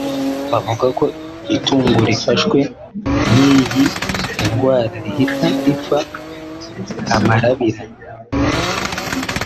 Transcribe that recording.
Bavuga ko itungo rifashwe n’iyi indwara rihita ripfa amarabira